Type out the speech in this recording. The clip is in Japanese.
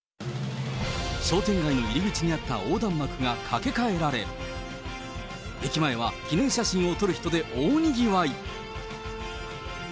商店街の入り口にあった横断幕がかけかえられ、駅前は記念写真を撮る人で大にぎわい。